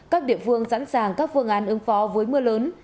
các địa phương sẵn sàng các phương án ứng phó với mưa lớn